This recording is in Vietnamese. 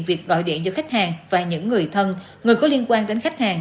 việc gọi điện cho khách hàng và những người thân người có liên quan đến khách hàng